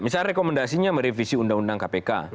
misalnya rekomendasinya merevisi undang undang kpk